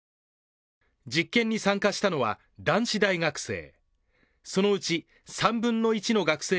実験に参加したのは男子大学生。